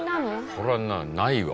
これはないわ